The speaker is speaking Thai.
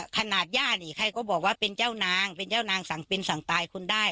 ก็ด้วยความสั่งเป็นสั่งตายคนได้